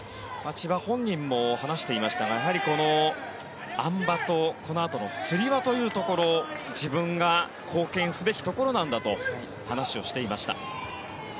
千葉本人も話していましたがやはり、あん馬とこのあとのつり輪というところ自分が貢献すべきところなんだと話をしていました。